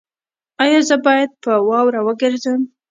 ایا زه باید په واوره وګرځم؟